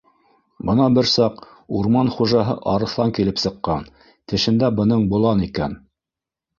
Бына бер саҡ урман хужаһы арыҫлан килеп сыҡҡан - тешендә бының болан икән.